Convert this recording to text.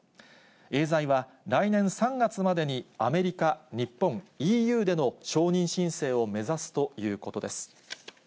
エーザイは、来年３月までに、アメリカ、日本、ＥＵでの承認申請を目指すということです。